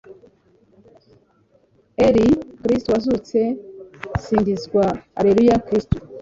r/ kristu wazutse singizwa, alleluya, kristu